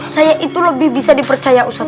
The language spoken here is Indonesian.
saya itu lebih bisa dipercaya ustadz